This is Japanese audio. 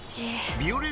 「ビオレ」